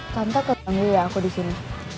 tante ketemu ya aku disini